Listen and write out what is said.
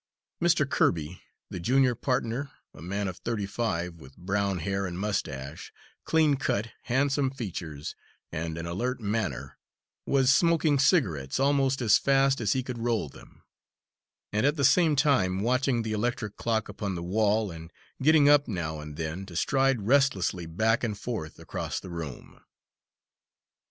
Mr. Kirby, the junior partner a man of thirty five, with brown hair and mustache, clean cut, handsome features, and an alert manner, was smoking cigarettes almost as fast as he could roll them, and at the same time watching the electric clock upon the wall and getting up now and then to stride restlessly back and forth across the room.